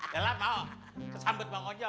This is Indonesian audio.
lela mau kesempet mang ujo